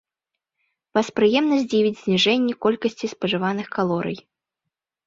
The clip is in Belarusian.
Вас прыемна здзівіць зніжэнне колькасці спажываных калорый.